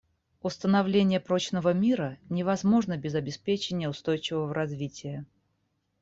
Установление прочного мира невозможно без обеспечения устойчивого развития.